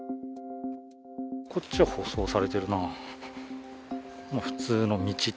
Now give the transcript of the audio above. こっちは舗装されてるな。